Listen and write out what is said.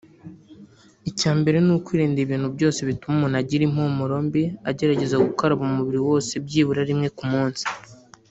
Icyambere ni ukwirinda ibintu byose bituma umuntu agira impumuro mbi agerageza gukaraba umubiri wose byibura rimwe ku munsi